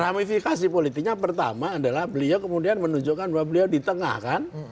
ramifikasi politiknya pertama adalah beliau kemudian menunjukkan bahwa beliau di tengah kan